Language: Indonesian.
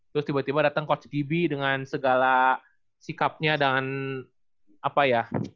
terus tiba tiba datang coach gb dengan segala sikapnya dan apa ya